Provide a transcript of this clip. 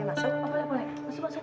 masuk masuk pak